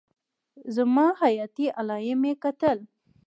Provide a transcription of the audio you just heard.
زما حياتي علايم يې کتل.